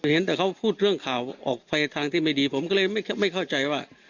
เห็นแต่เขาพูดเรื่องข่าวออกไปทางที่ไม่ดีผมก็เลยไม่เข้าใจว่า